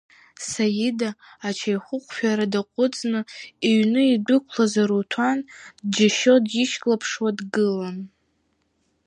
Саида ачаихыҟәшәара даҟәыҵны, иҩны идәықәлаз Аруҭан дџьашьо дишьклаԥшуа дгылан.